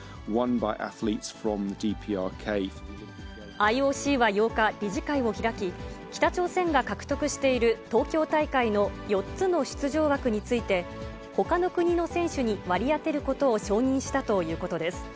ＩＯＣは８日、理事会を開き、北朝鮮が獲得している東京大会の４つの出場枠について、ほかの国の選手に割り当てることを承認したということです。